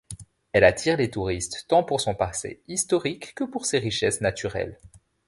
Elle attire les touristes tant pour son passé historique que pour ses richesses naturelles.